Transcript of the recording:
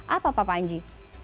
apa pak panji